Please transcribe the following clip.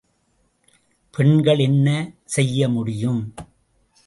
பெண்கள் என்ன செய்ய முடியும்?